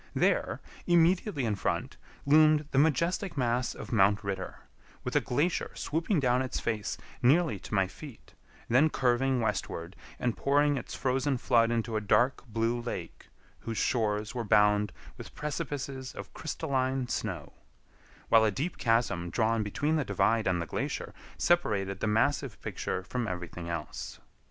There, immediately in front, loomed the majestic mass of Mount Ritter, with a glacier swooping down its face nearly to my feet, then curving westward and pouring its frozen flood into a dark blue lake, whose shores were bound with precipices of crystalline snow; while a deep chasm drawn between the divide and the glacier separated the massive picture from everything else.